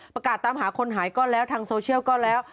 ประกาศตามหาคนหายก็แล้วทางโซเชียลก็แล้ว